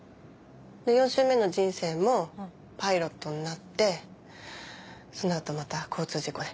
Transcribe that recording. で４周目の人生もパイロットになってその後また交通事故で。